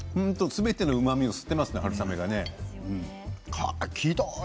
すべてのうまみを吸っていますね春雨が。